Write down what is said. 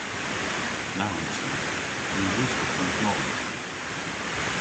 Na wrussowgh. Ny wrussowgh hwi dos.